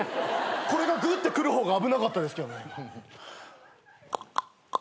これがぐって来る方が危なかったですけど。